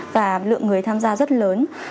và lượng người tham gia rất lớn